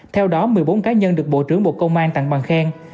theo đó một mươi bốn cá nhân được bộ trưởng bộ công an tặng bằng khen